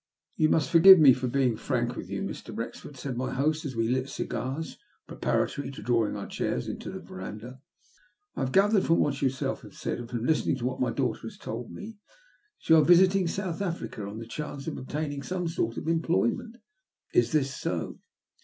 '* You must forgive my being frank with you, Mr. Wrexford," said my host, as we lit cigars preparatory to drawing our chairs into the verandah ;'* but I have gathered from what you yourself have said and from what my daughter has told me, that you are visiting South Africa on the chance of obtaining some sort of employment. Is this so